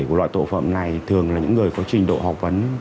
của loại tổ phẩm này thường là những người có trình độ học vấn